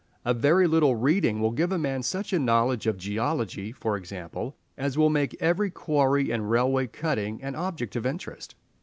A very little reading will give a man such a knowledge of geology, for example, as will make every quarry and railway cutting an object of interest.